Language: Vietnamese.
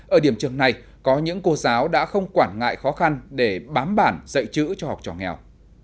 ở điểm trường này có những cô giáo đã không quản ngại khó khăn để bám bản dạy chữ cho học trò nghèo